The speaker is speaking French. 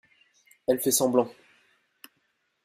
Elle fait semblant.